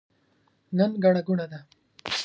نن ګڼه ګوڼه ده.